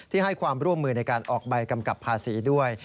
ให้ความร่วมมือในการออกใบกำกับภาษีด้วย